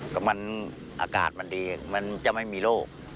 ก็มันอากาศมันดีมันจะไม่มีโรค